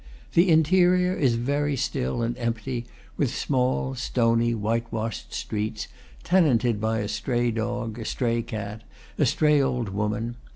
The interior is very still and empty, with small stony, whitewashed streets, tenanted by a stray dog, a stray cat, a stray old woman.